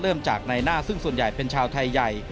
เริ่มจากในหน้าซึ่งส่วนใหญ่เป็นชาวไทยใหญ่